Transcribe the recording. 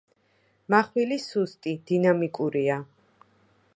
მახვილი სუსტი, დინამიკურია.